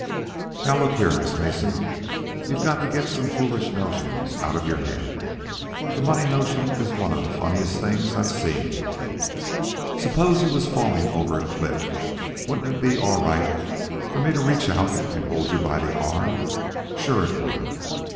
"Now look here, Miss Mason. You've got to get some foolish notions out of your head. This money notion is one of the funniest things I've seen. Suppose you was falling over a cliff, wouldn't it be all right for me to reach out and hold you by the arm? Sure it would.